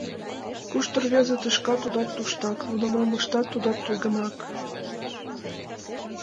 Кушто рвезе тӱшка — тудат туштак, нуно мом ыштат — тудат тудымак.